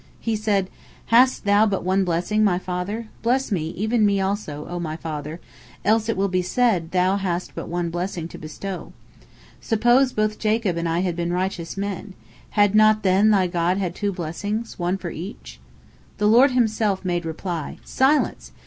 He said: "Hast thou but one blessing, my father? bless me, even me also, O my father, else it will be said thou hast but one blessing to bestow. Suppose both Jacob and I had been righteous men, had not then thy God had two blessings, one for each?" The Lord Himself made reply: "Silence!